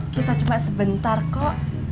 kita cuma sebentar kok